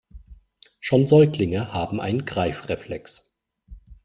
Schon Säuglinge haben einen Greifreflex.